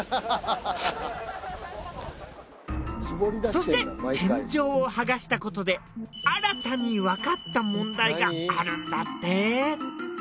そして天井を剥がした事で新たにわかった問題があるんだって。